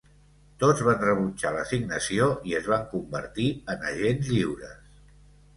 Tots van rebutjar l'assignació i es van convertir en agents lliures.